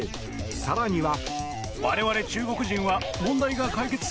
更には。